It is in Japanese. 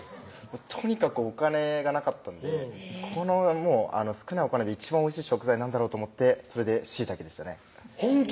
とにかくお金がなかったんで少ないお金で一番おいしい食材何だろうと思ってそれで椎茸でしたね本気？